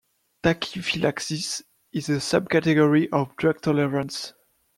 Tachyphylaxis is a subcategory of drug tolerance.